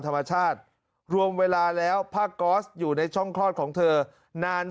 ธรรมชาติรวมเวลาแล้วผ้าก๊อสอยู่ในช่องคลอดของเธอนาน